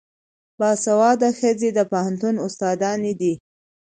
باسواده ښځې د پوهنتون استادانې دي.